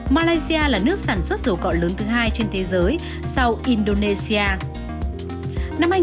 malaysia là nước sản xuất dầu cọ lớn thứ hai trên thế giới sau indonesia